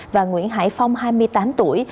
và nguyễn hải phong hai mươi tám tuổi